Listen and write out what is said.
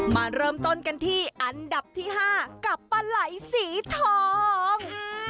มาเริ่มต้นกันที่อันดับที่๕กับปลาไหล่สีทอง